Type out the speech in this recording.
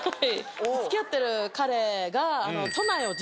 付き合ってる彼が。